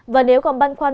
và nếu còn băn khoăn